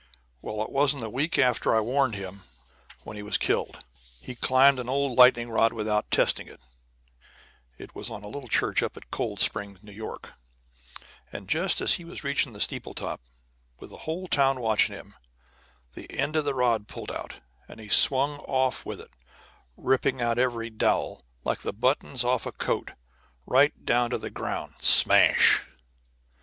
Well, it wasn't a week after I warned him when he was killed. He climbed an old lightning rod without testing it (it was on a little church up at Cold Spring, New York), and just as he was reaching the steeple top, with a whole town watching him, the end of the rod pulled out, and he swung off with it, ripping out every dowel, like the buttons off a coat, right down to the ground smash.